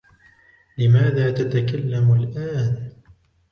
لماذا تتكلم الآن؟